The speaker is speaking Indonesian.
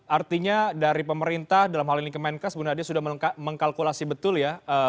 artinya dari pemerintah dalam hal ini kemenkes bu nadia sudah mengkalkulasi betul ya